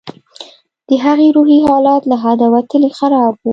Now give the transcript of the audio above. د هغې روحي حالت له حده وتلى خراب و.